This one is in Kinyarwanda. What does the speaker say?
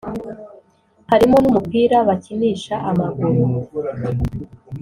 harimo n’umupira bakinisha amaguru,